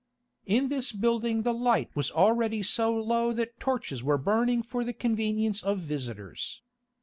In this building the light was already so low that torches were burning for the convenience of visitors.